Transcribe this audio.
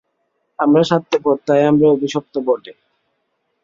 আমরা স্বার্থপর, তাই আমরা অভিশপ্ত বটে।